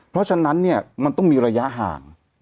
เพราะฉะนั้นเนี่ยมันต้องมีระยะห่าง